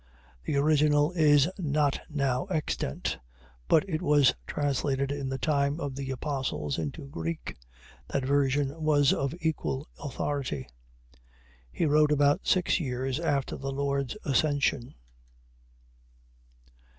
The original is not now extant; but it was translated in the time of the Apostles into Greek, that version was of equal authority. He wrote about six years after the Lord's Ascension.